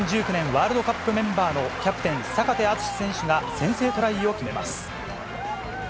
ワールドカップメンバーのキャプテン、坂手淳史選手が先制トライを決めます。